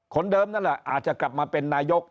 คนเดิมนั่นแหละอาจจะกลับมาเป็นนายก